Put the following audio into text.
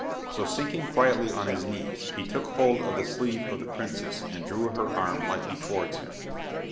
So sinking quietly on his knees, he took hold of the sleeve of the princess and drew her arm lightly towards him.